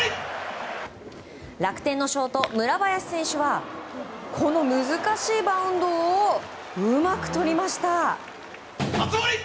楽天のショート、村林選手はこの難しいバウンドをうまくとりました！